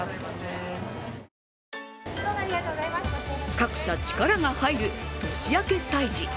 各社、力が入る年明け催事。